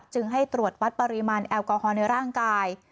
จึงให้ตรวจวัดปริมาณแอลกอฮอลในร่างกาย